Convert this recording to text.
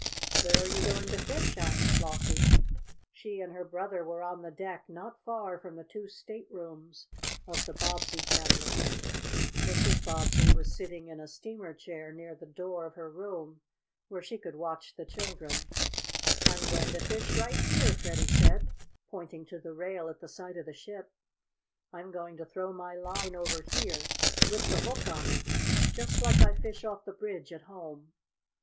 "Where are you going to fish?" asked Flossie. She and her brother were on the deck not far from the two staterooms of the Bobbsey family. Mrs. Bobbsey was sitting in a steamer chair near the door of her room, where she could watch the children. "I'm going to fish right here," Freddie said, pointing to the rail at the side of the ship. "I'm going to throw my line over here, with the hook on it, just like I fish off the bridge at home."